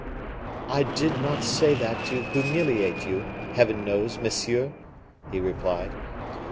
"I did not say that to humiliate you, Heaven knows, monsieur," he replied.